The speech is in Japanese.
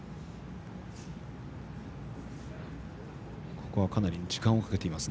ここはかなり時間をかけています。